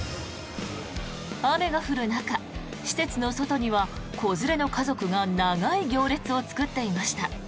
雨が降る中施設の外には子連れの家族が長い行列を作っていました。